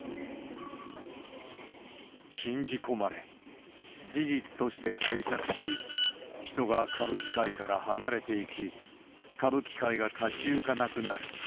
信じ込まれ、事実として定着し、人が歌舞伎界から離れていき、歌舞伎界が立ち行かなくなる。